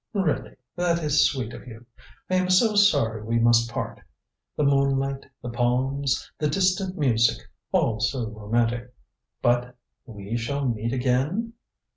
"Really that is sweet of you. I am so sorry we must part. The moonlight, the palms, the distant music all so romantic. But we shall meet again?"